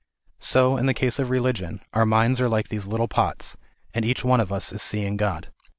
So, in the case of religion, our minds are like these little pots, and each one of us is seeing God.